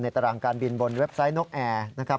ตารางการบินบนเว็บไซต์นกแอร์นะครับ